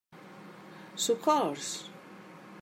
Socors!